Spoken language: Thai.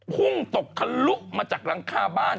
พุ่งตกทะลุมาจากหลังคาบ้าน